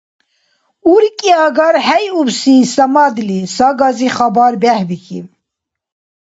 УркӀиагархӀейубси Самадли сагаси хабар бехӀбихьиб: